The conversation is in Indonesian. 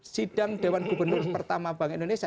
sidang dewan gubernur pertama bank indonesia